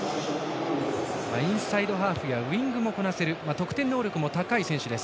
インサイドハーフやウイングもこなせる得点能力も高い選手です。